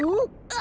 あ？